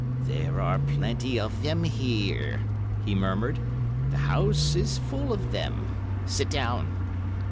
"There are plenty of them here," he murmured; "the house is full of them. Sit down!"